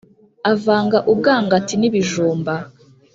avanga ubwangati n’ibijumba